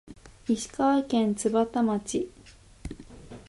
石川県津幡町